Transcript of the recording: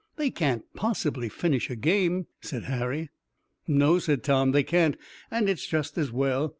"They can't possibly finish a game," said Harry. "No," said Tom, "they can't, and it's just as well.